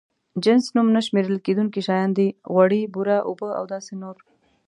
جنس نوم نه شمېرل کېدونکي شيان دي: غوړي، بوره، اوبه او داسې نور.